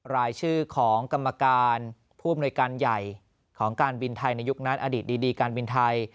รายชื่อของกรรมการผู้อำนวยการใหญ่ของการบินไทยในยุคนั้นอดีตดีการบินไทย